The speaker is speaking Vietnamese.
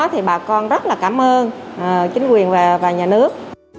thì bà con rất là cảm ơn chính quyền và nhà nước